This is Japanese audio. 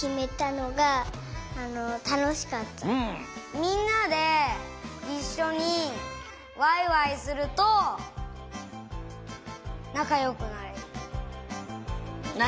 みんなでいっしょにワイワイするとなかよくなれる。